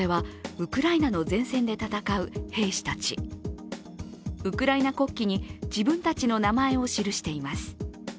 ウクライナ国旗に自分たちの名前を記しています。